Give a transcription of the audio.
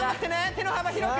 手の幅広く！